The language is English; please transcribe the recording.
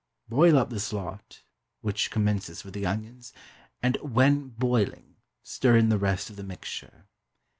Boil up this lot (which commences with the onions), and when boiling stir in the rest of the mixture.